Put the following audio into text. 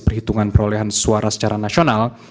perhitungan perolehan suara secara nasional